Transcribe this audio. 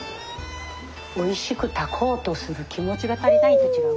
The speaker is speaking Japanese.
おいしく炊こうとする気持ちが足りないんと違うかい？